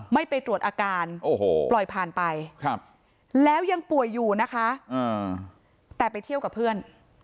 ไม่ไปตรวจอาการปล่อยผ่านไปแล้วยังป่วยอยู่นะคะแต่ไปเที่ยวกับเพื่อน